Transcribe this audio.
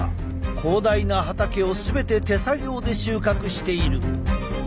広大な畑を全て手作業で収穫している。